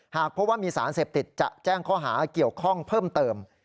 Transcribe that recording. หากพบว่ามีสารเสพติดจะแจ้งข้อหาเกี่ยวข้องเพิ่มเติม